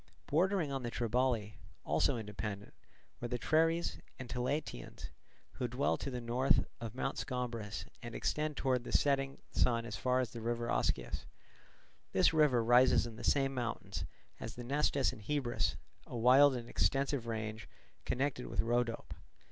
Bordering on the Triballi, also independent, were the Treres and Tilataeans, who dwell to the north of Mount Scombrus and extend towards the setting sun as far as the river Oskius. This river rises in the same mountains as the Nestus and Hebrus, a wild and extensive range connected with Rhodope.